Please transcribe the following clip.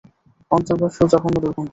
অন্তর্বাসেও জঘন্য দুর্গন্ধ।